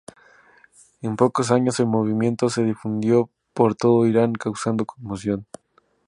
En pocos años el movimiento se difundió por todo Irán, causando conmoción.